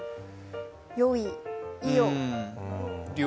よい、いよ。